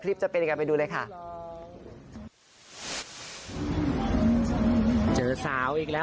คลิปเป็นเหมือนกันไปนะ